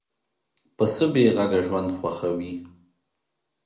پسه بېغږه ژوند خوښوي.